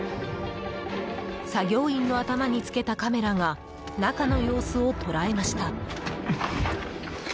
作業員の頭に付けたカメラが中の様子を捉えました。